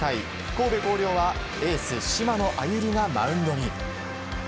神戸弘陵はエース、島野愛友利がマウンドに。